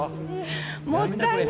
もったいないよー。